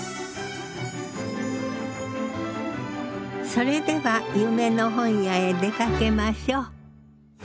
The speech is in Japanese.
それでは夢の本屋へ出かけましょう。